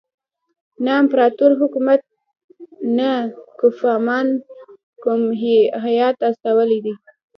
نه امپراطور حکومت نه کوفمان کوم هیات استولی دی.